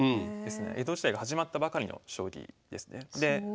江戸時代が始まったばかりの将棋ですね。